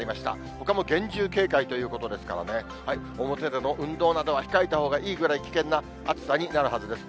ほかも厳重警戒ということですからね、表での運動などは控えたほうがいいぐらい危険な暑さになるはずです。